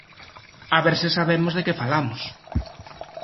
¡A ver se sabemos de que falamos!